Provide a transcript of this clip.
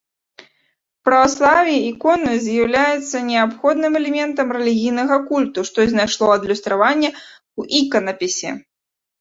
У праваслаўі іконы з'яўляецца неабходным элементам рэлігійнага культу, што знайшло адлюстраванне ў іканапісе.